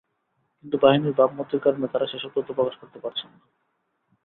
কিন্তু বাহিনীর ভাবমূর্তির কারণে তাঁরা সেসব তথ্য প্রকাশ করতে পারছেন না।